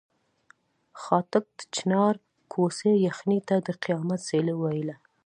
خاټک د چنار کوڅې یخنۍ ته د قیامت سیلۍ ویله.